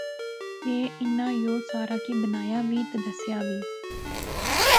کہ انیں یو سارا کی بنایا وی تہ دسیا وی